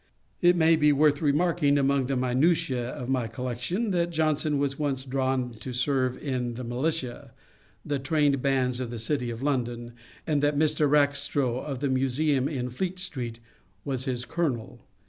It may be worth remarking, among the minutiae of my collection, that Johnson was once drawn to serve in the militia, the Trained Bands of the City of London, and that Mr. Rackstrow, of the Museum in Fleet street, was his Colonel.